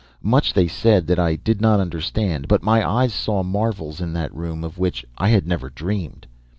Much they said that I did not understand but my eyes saw marvels in that room of which I had never dreamed.